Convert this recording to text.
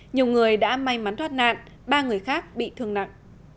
nhiều người đã may mắn thoát nạn ba người khác bị thương nặng